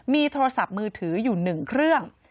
มีโทรศัพท์มือถืออยู่๑เครื่อง